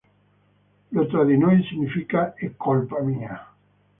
Io tra di noi significa "è colpa mia".